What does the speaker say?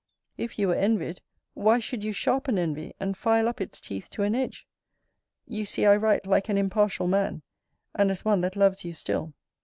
If you were envied, why should you sharpen envy, and file up its teeth to an edge? You see I write like an impartial man, and as one that loves you still.